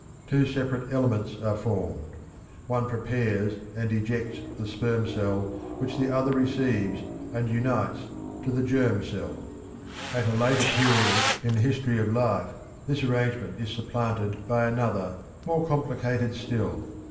Two separate elements are formed; one prepares and ejects the sperm cell which the other receives, and unites to the germ cell. At a later period in the history of life this arrangement is supplanted by another, more complicated still.